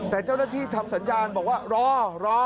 แต่เจ้าหน้าที่ทำสัญญาณบอกว่ารอรอ